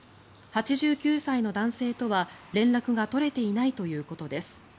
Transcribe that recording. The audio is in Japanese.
８９歳の男性とは連絡が取れていないということです。